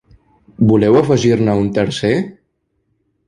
Voleu afegir-ne un tercer?